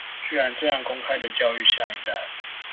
居然這樣公開的教育下一代